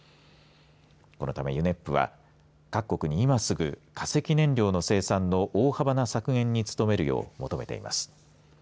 このためＵＮＥＰは各国に今すぐ化石燃料の生産の大幅な削減に努めるよう求めています。